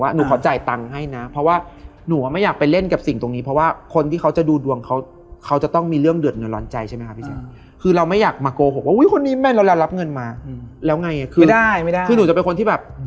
หนูก็นอนไม่ได้อะไรหนูก็หลับ